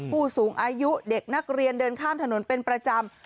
ผู้สูงอายุเด็กนักเรียนเดินข้ามถนนเป็นประจำ